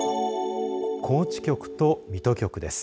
高知局と水戸局です。